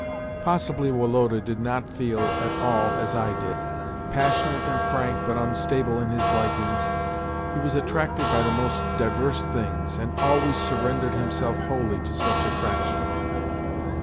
Possibly Woloda did not feel at all as I did. Passionate and frank, but unstable in his likings, he was attracted by the most diverse things, and always surrendered himself wholly to such attraction.